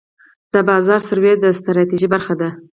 د بازار سروې د ستراتیژۍ برخه ده.